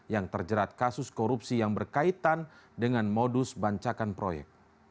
yang terjerat kasus korupsi yang berkaitan dengan modus bancakan proyek